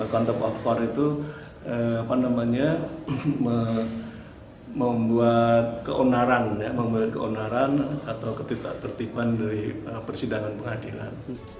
quantum of court itu membuat keonaran atau ketidakpertipan dari persidangan pengadilan